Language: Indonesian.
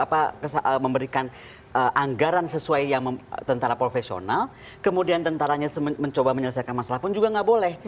apa memberikan anggaran sesuai yang tentara profesional kemudian tentaranya mencoba menyelesaikan masalah pun juga nggak boleh